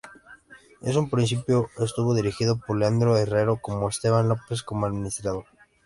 En un principio estuvo dirigido por Leandro Herrero, con Esteban López como administrador.